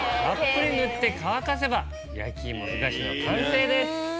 たっぷり塗って乾かせばやきいもふがしの完成です。